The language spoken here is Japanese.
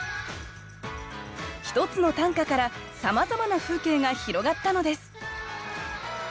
１つの短歌からさまざまな風景が広がったのです